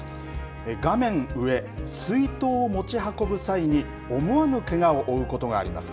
画面上、水筒を持ち運ぶ際に思わぬけがを負うことがあります。